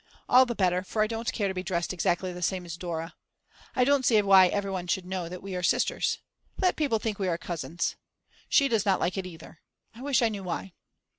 All the better, for I don't care to be dressed exactly the same as Dora. I don't see why everyone should know that we are sisters. Let people think we are cousins. She does not like it either; I wish I knew why.